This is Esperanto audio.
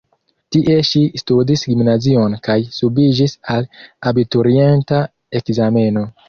Tie ŝi studis gimnazion kaj subiĝis al abiturienta ekzameno.